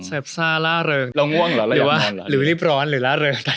ซับซาร่าเริงเราง่วงหรอหรือรีบร้อนหรือร่าเริง